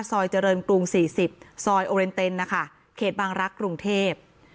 ซอยเจริญกรุงสี่สิบซอยนะคะเขตบางรักกรุงเทพฯ